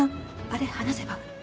あれ話せば？